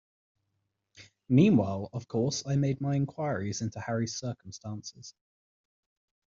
Meanwhile, of course, I made my inquiries into Harry's circumstances.